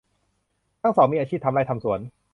ทั้งสองมีอาชีพทำไร่ทำสวน